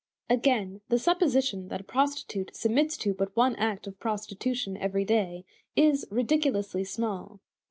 Again: The supposition that a prostitute submits to but one act of prostitution every day is "ridiculously small."